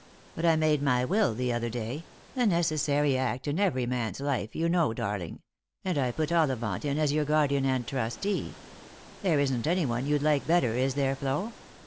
But I made my will the other day — a necessary act in every man's life, you know, darling— and I put Ollivant in as your guardian and trustee. There isn't any one you'd like better, is there, Flo?"